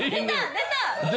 出た。